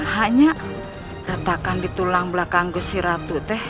hanya retakan di tulang belakang gusiratu teh